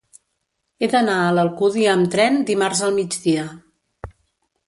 He d'anar a l'Alcúdia amb tren dimarts al migdia.